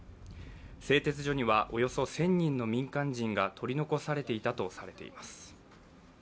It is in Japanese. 製鉄所にはおよそ１０００人の民間人が取り残されていたとされています。